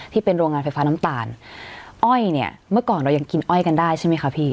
ที่เป็นโรงงานไฟฟ้าน้ำตาลอ้อยเนี่ยเมื่อก่อนเรายังกินอ้อยกันได้ใช่ไหมคะพี่